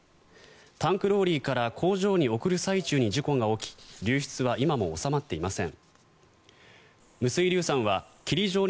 タンクローリーから工場に送る最中に事故が起き流出は今も収まっていません。